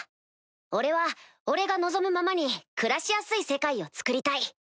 俺は俺が望むままに暮らしやすい世界をつくりたい。